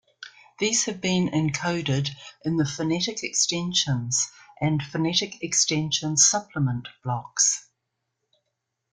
These have been encoded in the "Phonetic Extensions" and "Phonetic Extensions Supplement" blocks.